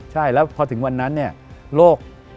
ใช่แล้วพอถึงวันนั้นเนี่ยโรค